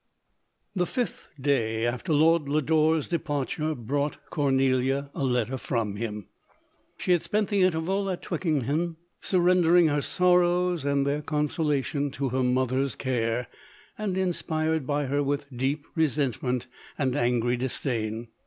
The fifth day after Lord Lodore's departure brought Cornelia a letter from him. She had spent the interval at Twickenham, surrendering her sorrows and their consolation to her mother's care ; and inspired by her with deep resentment and angry disdain.